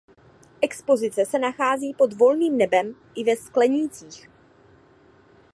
Expozice se nachází pod volným nebem i ve sklenících.